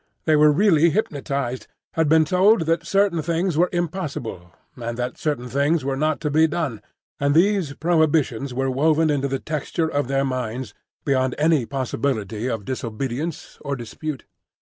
They were really hypnotised; had been told that certain things were impossible, and that certain things were not to be done, and these prohibitions were woven into the texture of their minds beyond any possibility of disobedience or dispute.